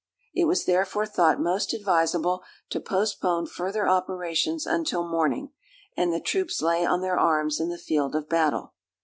It was therefore thought most advisable to postpone further operations until morning; and the troops lay on their arms in the field of battle.